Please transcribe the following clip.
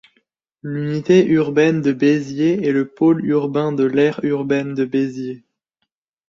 L'unité urbaine de Béziers est le pôle urbain de l'aire urbaine de Béziers.